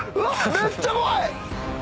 めっちゃ怖い！